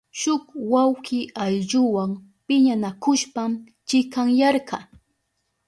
Shuk wawki ayllunwa piñanakushpan chikanyarka.